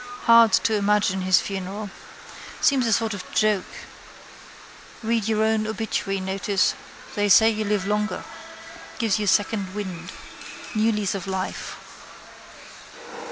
Hard to imagine his funeral. Seems a sort of a joke. Read your own obituary notice they say you live longer. Gives you second wind. New lease of life.